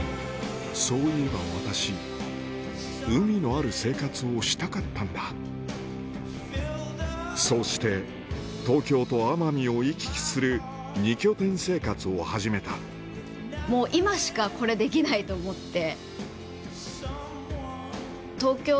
そういえば私海のある生活をしたかったんだそうして東京と奄美を行き来する二拠点生活を始めたもう今しかこれできないと思って。